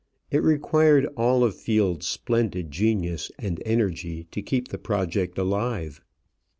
It required all of Field's splendid genius and energy to keep the project alive.